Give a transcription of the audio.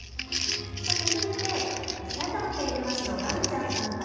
続いて埼玉県入間市のガンちゃんさんから。